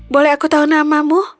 boleh aku tahu namamu